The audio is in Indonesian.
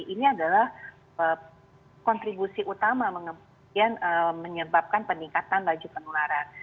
ini adalah kontribusi utama menyebabkan peningkatan laju penularan